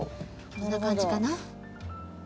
こんな感じかな？